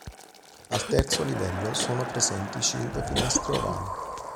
Al terzo livello sono presenti cinque finestre ovali.